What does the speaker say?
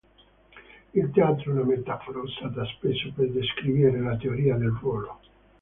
Il teatro è una metafora usata spesso per descrivere la teoria del ruolo.